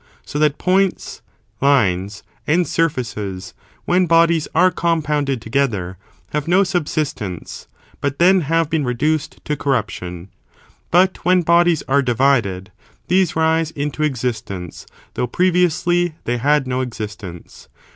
So that points, lines, and sur&ces, when bodies are compounded together, have no subsistence, but then have been reduced to corruption : but when bodies are divided, these rise into existence, though pre viously they had no existence.